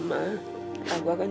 mama dengerin aku sekarang